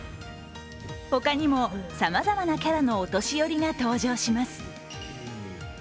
他にもさまざまなキャラのお年寄りが登場します。